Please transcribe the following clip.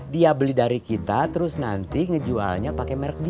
dia beli dari kita terus nanti ngejualnya pakai merek di